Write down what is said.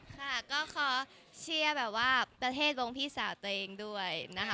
ค่ะก็ขอเชียร์แบบว่าประเทศวงพี่สาวตัวเองด้วยนะคะ